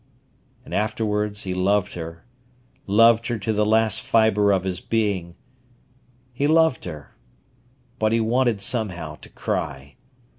And afterwards he loved her—loved her to the last fibre of his being. He loved her. But he wanted, somehow, to cry.